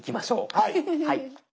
はい。